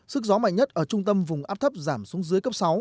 sức gió mạnh nhất ở trung tâm vùng áp thấp giảm xuống dưới cấp sáu